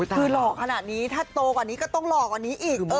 หรอกถ้าตกกว่านี้ต้องหลอกกว่านี้อีก